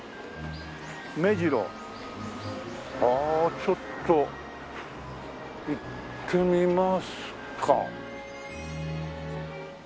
「目白」ああちょっと行ってみますか。